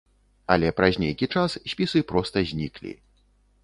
Але праз нейкі час спісы проста зніклі.